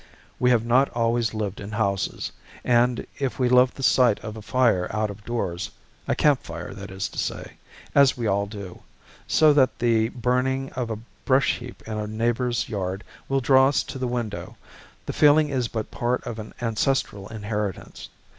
We have not always lived in houses; and if we love the sight of a fire out of doors, a camp fire, that is to say, as we all do, so that the, burning of a brush heap in a neighbor's yard will draw us to the window, the feeling is but part of an ancestral inheritance.